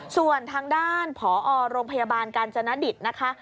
ส่วนทางด้านผอโรงพยาบาลกาญจนดิตนะคะ